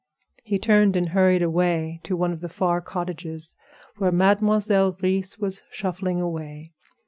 He turned and hurried away to one of the far cottages, where Mademoiselle Reisz was shuffling away.